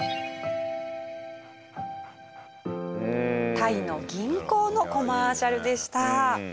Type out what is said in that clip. タイの銀行のコマーシャルでした。